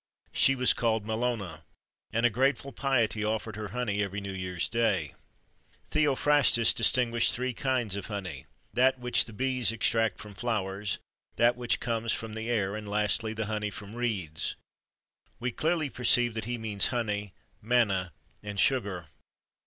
She was called Mellona, and a grateful piety offered her honey every new year's day.[XXIII 55] Theophrastus distinguished three kinds of honey: that which the bees extract from flowers, that which comes from the air, and lastly, the honey from reeds.[XXIII 16] We clearly perceive that he means honey, manna, and sugar.